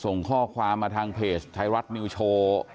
ส่งข้อความมาทางเพจไทยรัฐนิวโชว์